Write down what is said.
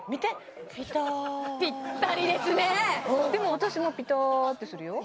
私もピターってするよ